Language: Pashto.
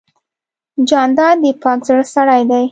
جانداد د پاک زړه سړی دی.